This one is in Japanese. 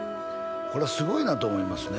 これはすごいなと思いますね